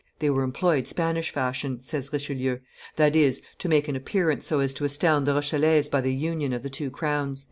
"They were employed Spanish fashion," says Richelieu, "that is, to make an appearance so as to astound the Rochellese by the union of the two crowns."